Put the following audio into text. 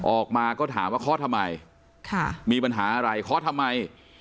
ออกมาก็ถามว่าเคาะทำไมมีปัญหาอะไรเคาะทำไม